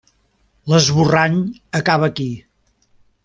L'esborrany acaba aquí.